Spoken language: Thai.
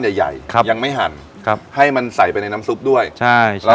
ใหญ่ใหญ่ครับยังไม่หั่นครับให้มันใส่ไปในน้ำซุปด้วยใช่แล้ว